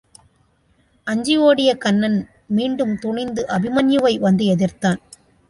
அஞ்சி ஒடிய கன்னன் மீண்டும் துணிந்து அபிமன்யுவை வந்து எதிர்த்தான்.